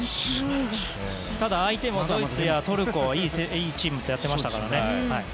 ただ、相手はドイツやトルコなどいいチームとやっていますからね。